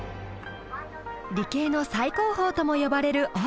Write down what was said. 理系の最高峰とも呼ばれるＯＩＳＴ。